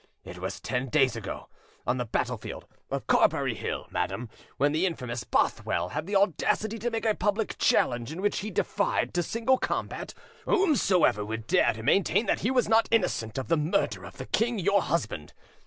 It was ten days ago, on the battlefield of Carberry Hill, madam, when the infamous Bothwell had the audacity to make a public challenge in which he defied to single combat whomsoever would dare to maintain that he was not innocent of the murder of the king your husband.